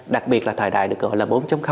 đặc biệt là thời đại được gọi là bốn